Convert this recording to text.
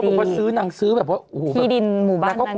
เขาบอกว่าซื้อนางซื้อแบบว่าที่ดินหมู่บ้านนั้นก็คือเลิศ